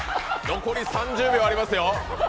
残り３０秒ありますよ